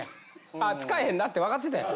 あ使えへんなって分かってたやろ？